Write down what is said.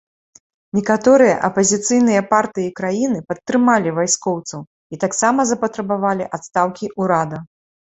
Некаторыя апазіцыйныя партыі краіны падтрымалі вайскоўцаў і таксама запатрабавалі адстаўкі ўрада.